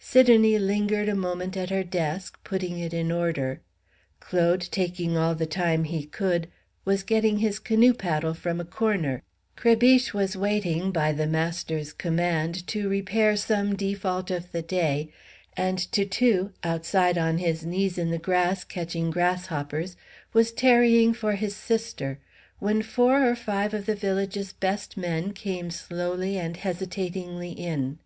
Sidonie lingered a moment at her desk, putting it in order; Claude, taking all the time he could, was getting his canoe paddle from a corner; Crébiche was waiting, by the master's command, to repair some default of the day; and Toutou, outside on his knees in the grass catching grasshoppers, was tarrying for his sister; when four or five of the village's best men came slowly and hesitatingly in.